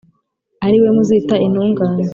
ari we muzita Intungane,